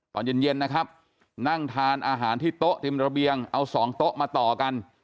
ตอนเย็นเย็นนะครับนั่งทานอาหารที่โต๊ะเต็มระเบียงเอาสองโต๊ะมาต่อกัน